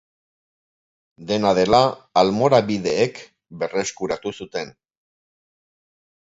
Dena dela almorabideek berreskuratu zuten.